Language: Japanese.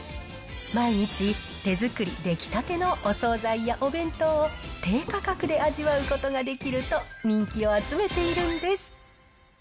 毎日、手作り、出来たてのお総菜やお弁当を、低価格で味わうことができると人気を集めているんです。